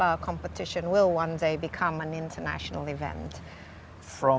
akan menjadi perbincangan internasional suatu hari